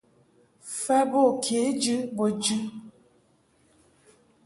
Fa bo kejɨ bo jɨ.